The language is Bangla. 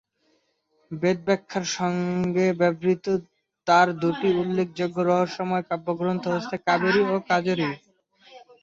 বেদব্যাখ্যার সঙ্গে সম্পর্কিত তাঁর দুটি উল্লেখযোগ্য রহস্যময় কাব্যগ্রন্থ হচ্ছে কাবেরী ও কাজরী।